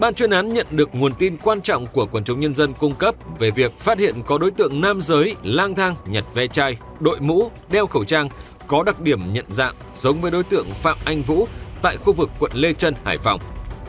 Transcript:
ban chuyên án nhận được nguồn tin quan trọng của quần chúng nhân dân cung cấp về việc phát hiện có đối tượng nam giới lang thang nhặt ve chai đội mũ đeo khẩu trang có đặc điểm nhận dạng giống với đối tượng phạm anh vũ tại khu vực quận lê trân hải phòng